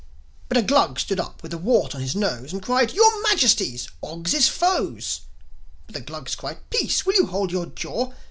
But a Glug stood up with a wart on his nose, And cried, "Your Majesties! Ogs is foes!" But the Glugs cried, "Peace! Will you hold your jaw!